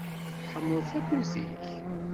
Tḥemmleḍ tamurt-ik?